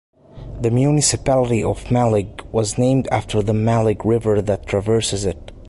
The municipality of Mallig was named after the Mallig river that traverses it.